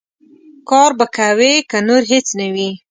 کار به کوې، که نور هېڅ نه وي.